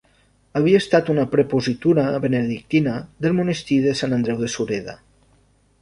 Havia estat una prepositura benedictina del monestir de Sant Andreu de Sureda.